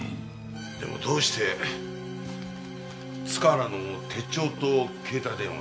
でもどうして塚原の手帳と携帯電話を。